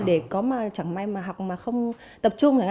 để có mà chẳng may mà học mà không tập trung này